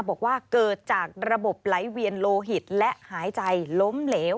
บอกว่าเกิดจากระบบไหลเวียนโลหิตและหายใจล้มเหลว